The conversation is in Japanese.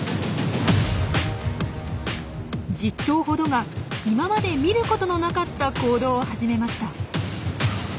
１０頭ほどが今まで見ることのなかった行動を始めました。